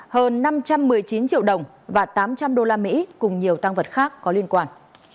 hơn năm trăm một mươi chín triệu đồng và tám trăm linh usd cùng nhiều tăng vật khác có liên quan